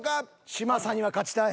嶋佐には勝ちたい。